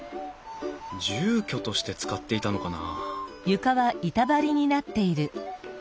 住居として使っていたのかな？